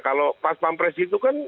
kalau pas pampres itu kan